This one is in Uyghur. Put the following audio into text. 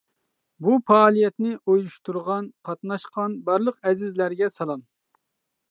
بۇ پائالىيەتنى ئۇيۇشتۇرغان، قاتناشقان بارلىق ئەزىزلەرگە سالام!